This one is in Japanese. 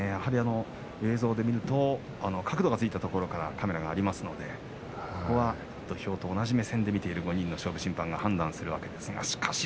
映像で見ると角度がついたところからカメラがありますので土俵と同じ目線で見ている勝負審判、判断するわけですね。